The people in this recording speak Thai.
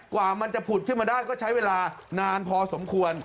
กว่ามันจะผุดขึ้นมาได้ก็ใช้เวลานานพอสมควร